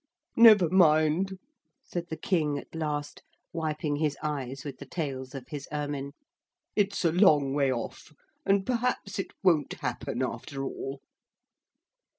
'Never mind,' said the King at last, wiping his eyes with the tails of his ermine. 'It's a long way off and perhaps it won't happen after all.'